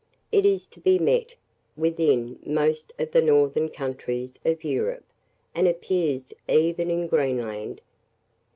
It is to be met with in most of the northern countries of Europe, and appears even in Greenland.